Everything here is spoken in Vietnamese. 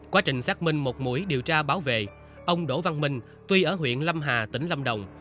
quá trình xác minh một mũi điều tra bảo vệ ông đỗ văn minh tuy ở huyện lâm hà tỉnh lâm đồng